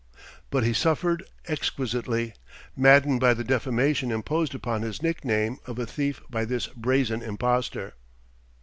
But he suffered exquisitely, maddened by the defamation imposed upon his nick name of a thief by this brazen impostor.